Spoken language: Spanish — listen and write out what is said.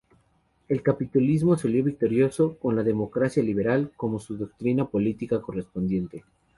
El capitalismo salió victorioso, con la democracia liberal como su doctrina política correspondiente.